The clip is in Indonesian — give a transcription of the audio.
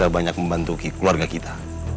bentuk keluarga kita